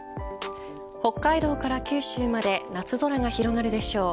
北海道から九州まで夏空が広がるでしょう。